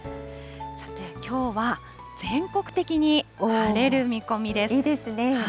さて、きょうは全国的に晴れる見いいですね。